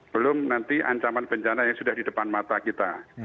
belum nanti ancaman bencana yang sudah di depan mata kita